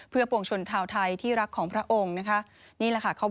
๗๐ปีแห่งการทำพระราชกรณียกิจเยอะแยะมากมาย